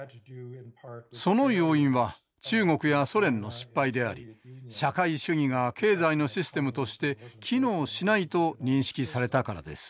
その要因は中国やソ連の失敗であり社会主義が経済のシステムとして機能しないと認識されたからです。